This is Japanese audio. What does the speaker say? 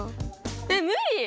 えっ無理！